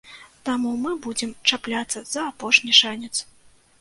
Таму мы будзем чапляцца за апошні шанец.